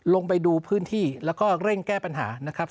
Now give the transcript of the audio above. ลงไปดูพื้นที่แล้วก็เร่งแก้ปัญหานะครับ